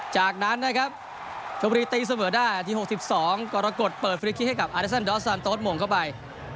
จากนั้นนะครับชมบุรีตีเสมอได้นาที๖๒กรกฎเปิดฟิลิคิกให้กับอาเดซันดอสซานโต๊ดหม่งเข้าไป